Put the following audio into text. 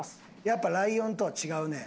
やっぱライオンとは違うね。